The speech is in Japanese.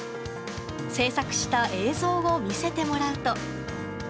制作した映像を見せてもらうと。